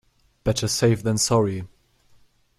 Better safe than sorry.